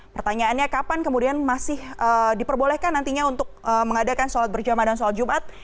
pertanyaannya kapan kemudian masih diperbolehkan nantinya untuk mengadakan sholat berjamaah dan sholat jumat